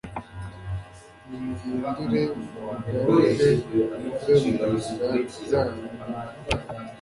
nimuhindukire, mugaruke muve mu nzira zanyu mbi